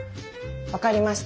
わかりました。